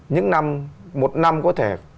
những năm một năm có thể